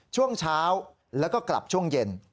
ช่วงเช้าแล้วก็กลับช่วงเย็น